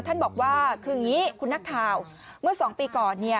ท่านบอกว่าคืออย่างนี้คุณนักข่าวเมื่อ๒ปีก่อน